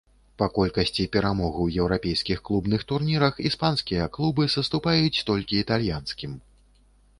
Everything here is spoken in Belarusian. Па колькасці перамог у еўрапейскіх клубных турнірах іспанскія клубы саступаюць толькі італьянскім.